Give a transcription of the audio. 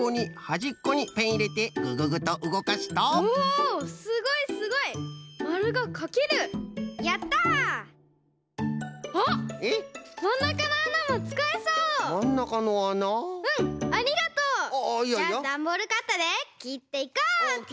じゃあダンボールカッターできっていこうっと！